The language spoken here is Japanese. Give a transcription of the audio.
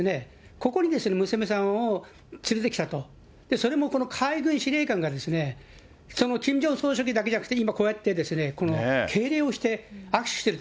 ここにですね、娘さんを連れてきたと、それもこの海軍司令官がキム・ジョンウン総書記だけじゃなくて今、こうやってですね、敬礼をして、握手してる。